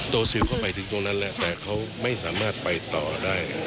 ซิลเข้าไปถึงตรงนั้นแล้วแต่เขาไม่สามารถไปต่อได้